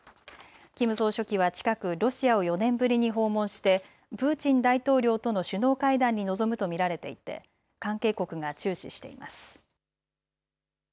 キム総書記は近くロシアを４年ぶりに訪問してプーチン大統領との首脳会談に臨むと見られていて関係国が注視しています。